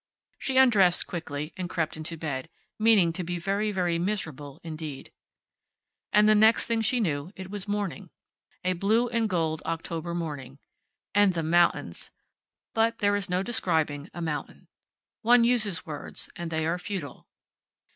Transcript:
She undressed quickly, and crept into bed, meaning to be very, very miserable indeed. And the next thing she knew it was morning. A blue and gold October morning. And the mountains! but there is no describing a mountain. One uses words, and they are futile.